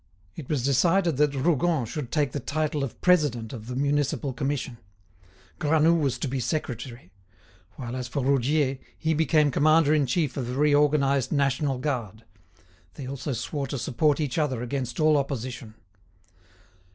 It was decided that Rougon should take the title of president of the Municipal Commission; Granoux was to be secretary; whilst, as for Roudier, he became commander in chief of the reorganised National Guard. They also swore to support each other against all opposition.